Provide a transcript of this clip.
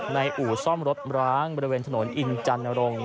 อู่ซ่อมรถร้างบริเวณถนนอินจันนรงค์